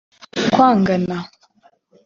Kwangana